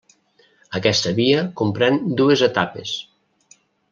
Aquesta via comprèn dues etapes.